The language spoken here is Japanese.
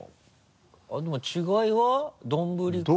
でも違いは？丼か？